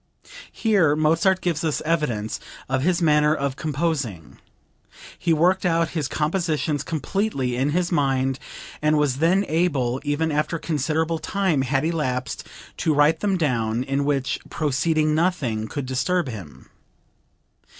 Here Mozart gives us evidence of his manner of composing; he worked out his compositions completely in his mind and was then able, even after considerable time had elapsed, to write them down, in which proceeding nothing could disturb him.